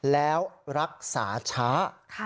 แล้วรักษาช้า